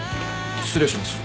失礼します。